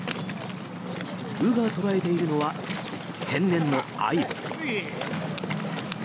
鵜が捕らえているのは天然のアユ。